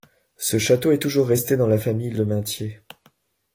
Ce château est toujours resté dans la famille Le Mintier.